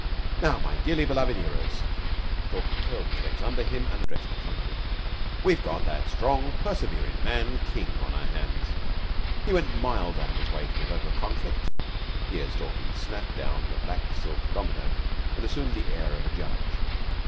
Now, my dearly beloved 'earers" Stalky curled his legs under him and addressed the company "we've got that strong', perseverin' man King on our hands. He went miles out of his way to provoke a conflict." (Here Stalky snapped down the black silk domino and assumed the air of a judge.)